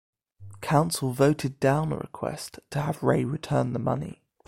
Council voted down a request to have Rae return the money.